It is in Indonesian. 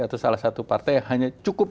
atau salah satu partai yang hanya cukup